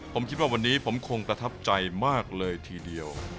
ผมคิดว่าวันนี้ผมคงประทับใจมากเลยทีเดียว